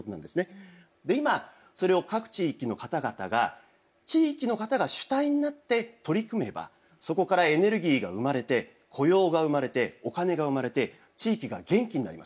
今それを各地域の方々が地域の方が主体になって取り組めばそこからエネルギーが生まれて雇用が生まれてお金が生まれて地域が元気になります。